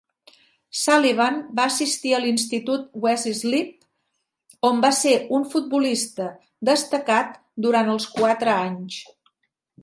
Sullivan va assistir a l'Institut West Islip, on va ser un futbolista destacat durant els quatre anys.